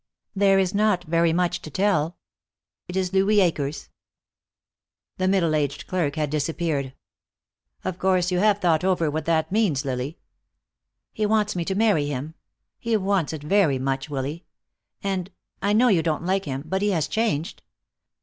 "There is not very much to tell. It is Louis Akers." The middle aged clerk had disappeared. "Of course you have thought over what that means, Lily." "He wants me to marry him. He wants it very much, Willy. And I know you don't like him, but he has changed.